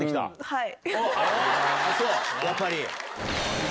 はい。